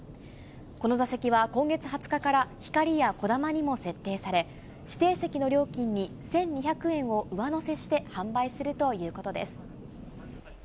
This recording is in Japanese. この座席は今月２０日から、ひかりやこだまにも設定され、指定席の料金に１２００円を上乗せして販売するということです。